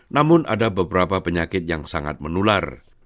namun ada beberapa penyakit yang sangat menular